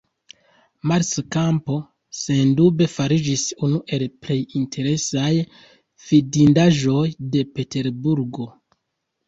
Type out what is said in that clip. Marsa Kampo, sendube, fariĝis unu el plej interesaj vidindaĵoj de Peterburgo.